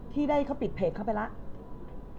ที่ได้เขาปิดเพจเข้าไปแล้ว